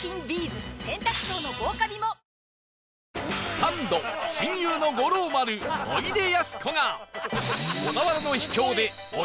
サンド親友の五郎丸おいでやすこが